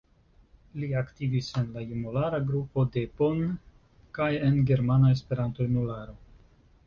Li aktivis en la junulara grupo de Bonn kaj en Germana Esperanto-Junularo.